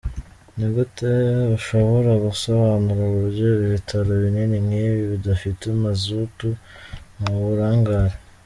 Ni gute ushobora gusobanura uburyo ibitaro binini nk’ibi bidafite mazutu? Ni uburangare.